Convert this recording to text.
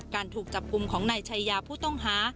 ถูกจับกลุ่มของนายชายาผู้ต้องหา